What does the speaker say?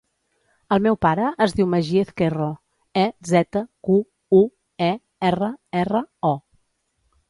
El meu pare es diu Magí Ezquerro: e, zeta, cu, u, e, erra, erra, o.